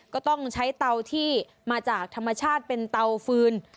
ก็ต้องใช้เตาที่มาจากธรรมชาติเป็นเตาฟืน